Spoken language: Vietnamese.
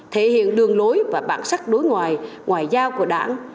thể hiện đường lối và bản sắc đối ngoại ngoại giao của đảng